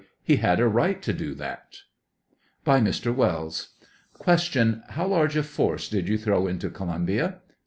He had a right to do that. By Mr. Wells: Q. How large a force did you throw into Columbia